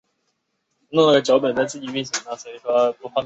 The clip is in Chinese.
初始向量的值依密码演算法而不同。